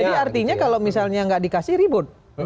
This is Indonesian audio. jadi artinya kalau misalnya nggak dikasih ribut